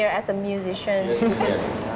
saya menemukan orang ini sebagai musisi